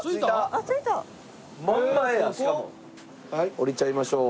降りちゃいましょう。